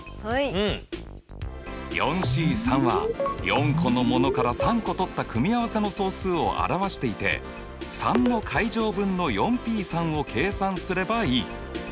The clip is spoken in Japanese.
Ｃは４個のものから３個とった組合せの総数を表していて３の階乗分のＰを計算すればいい。